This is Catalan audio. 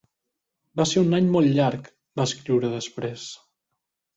"Va ser un any molt llarg", va escriure després.